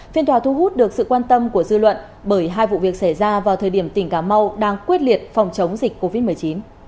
phiên tòa thu hút được sự quan tâm của dư luận bởi hai vụ việc xảy ra vào thời điểm tỉnh cà mau đang quyết liệt phòng chống dịch covid một mươi chín